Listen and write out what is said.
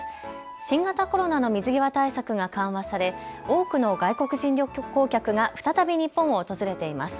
新型コロナの水際対策が緩和され多くの外国人旅行客が再び日本を訪れています。